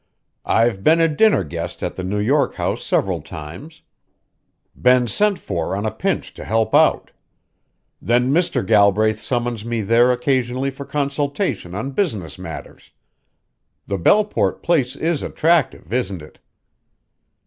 "I've been a dinner guest at the New York house several times; been sent for on a pinch to help out. Then Mr. Galbraith summons me there occasionally for consultation on business matters. The Belleport place is attractive, isn't it?"